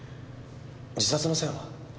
自殺の線は？